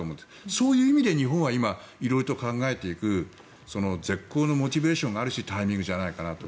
そういう意味で日本は色々と考えていく絶好のモチベーションがあるしタイミングじゃないかなと。